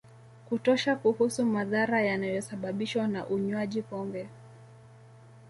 kutosha kuhusu madhara yanayosababishwa na unywaji pombe